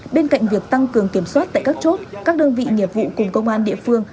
bên cạnh việc tăng cường kiểm soát tại các chốt các đơn vị nghiệp vụ cùng công an địa phương